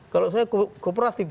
kalau saya kooperatif